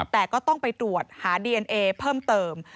แต่ก็ต้องไปตรวจหาดีเอนเอเพิ่มเติม